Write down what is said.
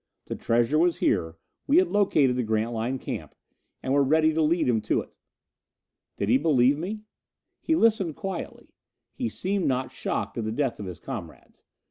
The treasure was here; we had located the Grantline camp, and were ready to lead him to it. Did he believe me? He listened quietly. He seemed not shocked at the death of his comrades.